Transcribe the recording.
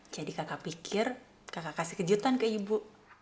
jadi kakak pikir kakak kasih kejutan ke ibu